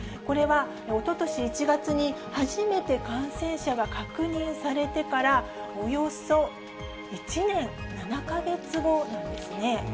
これは、おととし１月に初めて感染者が確認されてから、およそ１年７か月後なんですね。